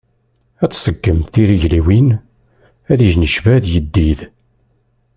Ad tseggem tirigliwin, ad yennejbad yiddid.